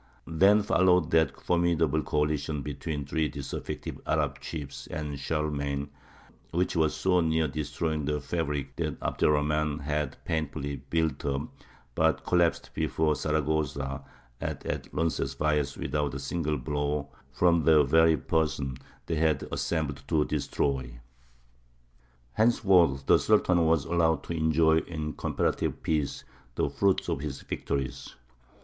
Then followed that formidable coalition between three disaffected Arab chiefs and Charlemagne, which was so near destroying the fabric that Abd er Rahmān had painfully built up, but collapsed before Zaragoza and at Roncesvalles without a single blow from the very person they had assembled to destroy. Henceforward the Sultan was allowed to enjoy in comparative peace the fruits of his victories.